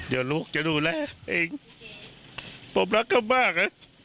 เดี๋ยวลูกจะดูแลเองผมรักเขามากนะ